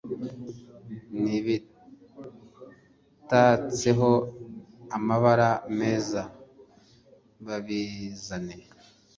N'ibitatseho amabara meza babizane